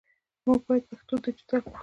موږ باید پښتو ډیجیټل کړو